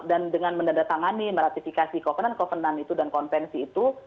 dengan mendadak tangani meratifikasi kovenant kovenant itu dan konvensi itu